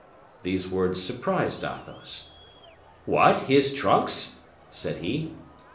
These words surprised Athos. "What! his trunks?" said he; "is M.